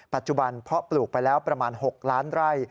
เพาะปลูกไปแล้วประมาณ๖ล้านไร่